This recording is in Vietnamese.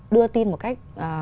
đưa tin một cách